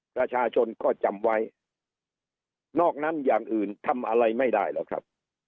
ประชาชนก็จำไว้นอกนั้นอย่างอื่นทำอะไรไม่ได้หรอกครับ